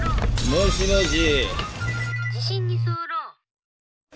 もしもし？